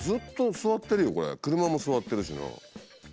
車も座ってるしな。